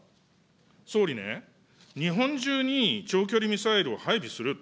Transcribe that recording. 総理ね、日本中に長距離ミサイルを配備する。